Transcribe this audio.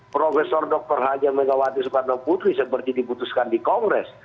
prof dr haji megawati soekarno putri seperti diputuskan di kongres